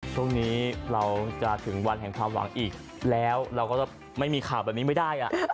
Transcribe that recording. ช่วงนี้เราจะถึงวันแห่งความหวังอีกแล้วเราก็จะไม่มีข่าวแบบนี้ไม่ได้